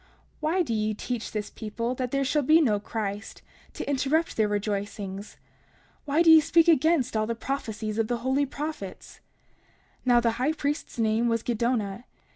Why do ye teach this people that there shall be no Christ, to interrupt their rejoicings? Why do ye speak against all the prophecies of the holy prophets? 30:23 Now the high priest's name was Giddonah.